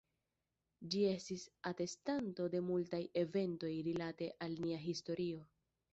Ĝi estis atestanto de multaj eventoj, rilate al nia historio.